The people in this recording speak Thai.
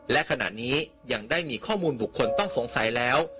และขณะนี้ยังได้มีข้อมูลบุคคลต้องสงสัยแล้ว